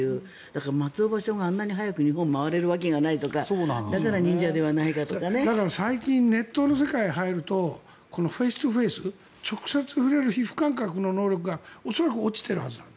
だから松尾芭蕉があんなに早く日本を回れるわけがないとか最近ネットの世界に入るとフェース・トゥ・フェース直接触れる皮膚感覚の能力が恐らく落ちているはず。